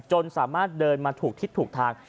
จนสามารถเดินมาถูกทิศถูกทาง